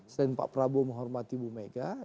selain pak prabowo menghormati bu mega